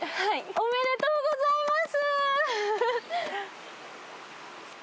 ありがとうございます。